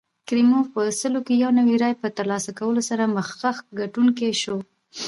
کریموف په سلو کې یو نوي رایې په ترلاسه کولو سره مخکښ ګټونکی شو.